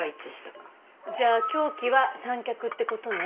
じゃあ凶器は三脚って事ね。